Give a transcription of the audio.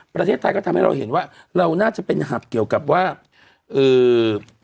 ประเทศไทยก็ทำให้เราเห็นว่าเราน่าจะเป็นหับเกี่ยวกับว่าเอ่อ